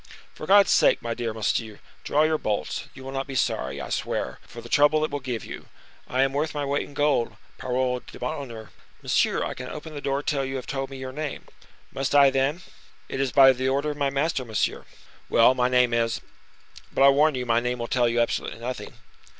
"For God's sake, my dear monsieur, draw your bolts; you will not be sorry, I swear, for the trouble it will give you. I am worth my weight in gold, parole d'honneur!" "Monsieur, I cannot open the door till you have told me your name." "Must I, then?" "It is by the order of my master, monsieur." "Well, my name is—but, I warn you, my name will tell you absolutely nothing."